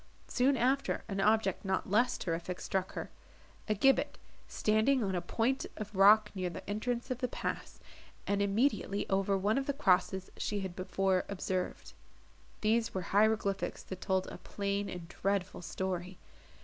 Soon after an object not less terrific struck her,—a gibbet standing on a point of rock near the entrance of the pass, and immediately over one of the crosses she had before observed. These were hieroglyphics that told a plain and dreadful story.